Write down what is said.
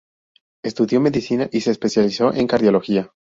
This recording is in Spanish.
Estudió Medicina y se especializó en Cardiología.